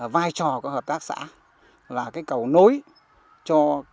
vai trò của hợp tác xã là cầu nối cho các thành tựu